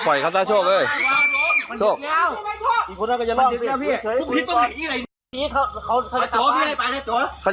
ปล่อยขต้าช่วงด้วย